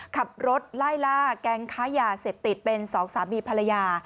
ขับรถไล่ล่าแก๊งค้ายาเสพติดเป็นสองสามีภรรยา